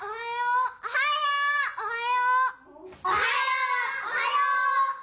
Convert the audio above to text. おはよう！